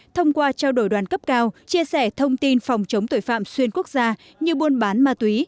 thông qua trao đổi đoàn cấp cao chia sẻ thông tin phòng chống tội phạm xuyên quốc gia như buôn bán ma túy